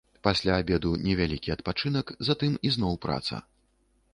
Пасля абеду невялікі адпачынак, затым ізноў праца.